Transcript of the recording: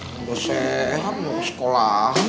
nunggu sehat mau ke sekolah